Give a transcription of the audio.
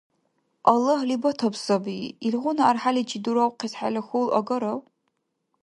Аллагьли батаб саби. Илгъуна архӀяличи дуравхъес хӀела хьул агарав?